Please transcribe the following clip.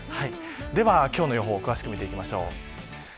今日の予報詳しく見ていきましょう。